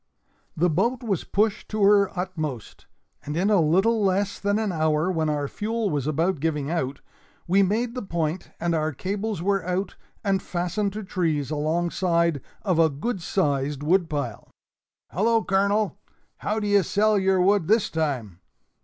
The boat was pushed to her utmost, and in a little less than an hour, when our fuel was about giving out, we made the point, and our cables were out and fastened to trees alongside of a good sized woodpile. "Hallo, Colonel! How d'ye sell your wood this time?"